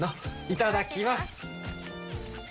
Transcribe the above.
いただきます！